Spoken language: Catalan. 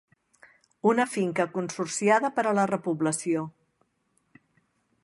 Una finca consorciada per a la repoblació.